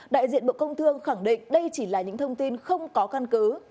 đại diện bộ công thương khẳng định đây chỉ là những thông tin không có căn cứ